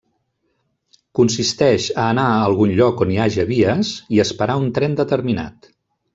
Consisteix a anar a algun lloc on hi haja vies i esperar un tren determinat.